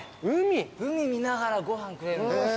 海見ながらご飯食える。